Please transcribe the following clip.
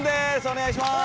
お願いします。